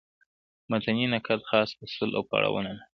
متني نقد خاص اصول او پړاوونه لري.